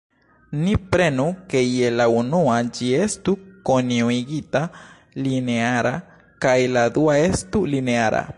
Ni prenu ke je la unua ĝi estu konjugita-lineara kaj la dua estu lineara.